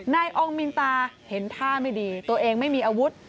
อองมินตาเห็นท่าไม่ดีตัวเองไม่มีอาวุธ